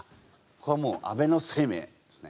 ここはもう安倍晴明ですね。